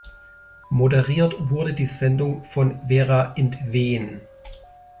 Moderiert wurde die Sendung von Vera Int-Veen.